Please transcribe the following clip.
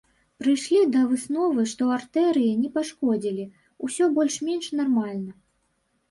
Прыйшлі да высновы, што артэрыі не пашкодзілі, усё больш-менш нармальна.